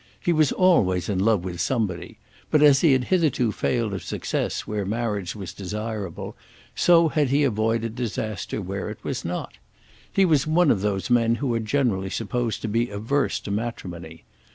He was always in love with somebody; but as he had hitherto failed of success where marriage was desirable, so had he avoided disaster when it was not. He was one of those men who are generally supposed to be averse to matrimony.